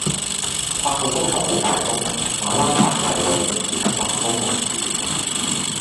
八號風球好大風，馬灣珀麗路依家橫風橫雨